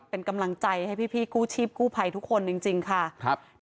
เป็นกำลังใจให้พี่กู้ชีพกู้ภัยทุกคนจริงค่ะครับ